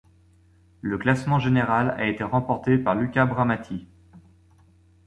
Le classement général a été remporté par Luca Bramati.